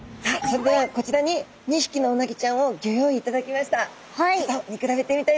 それではこちらに２匹のうなぎちゃんをギョ用意いただきました。